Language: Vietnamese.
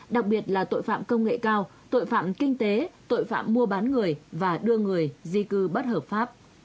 đặc biệt là tội phạm công nghệ cao tội phạm kinh tế tội phạm mua bán người và đưa người di cư bất hợp pháp